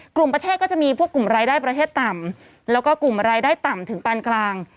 กลุ่มประเทศก็จะมีพวกกลุ่มรายได้ประเทศต่ำแล้วก็กลุ่มรายได้ต่ำถึงปานกลาง